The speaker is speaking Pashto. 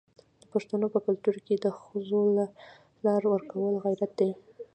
د پښتنو په کلتور کې د ښځو لار ورکول غیرت دی.